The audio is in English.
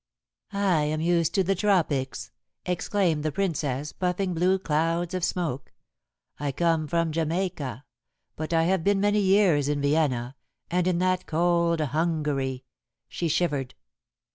"I am used to the tropics," explained the Princess, puffing blue clouds of smoke. "I come from Jamaica; but I have been many years in Vienna, and in that cold Hungary," she shivered.